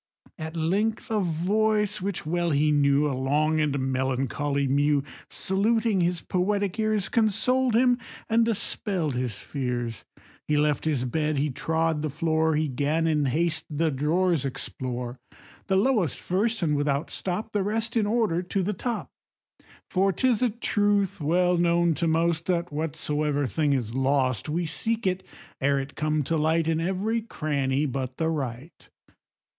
At length a voice which well he knew, A long and melancholy mew, Saluting his poetic ears, Consoled him and dispell'd his fears: He left his bed, he trod the floor, He 'gan in haste the drawers explore, The lowest first, and without stop The rest in order to the top. For 'tis a truth well known to most, That whatsoever thing is lost, We seek it, ere it come to light, In every cranny but the right.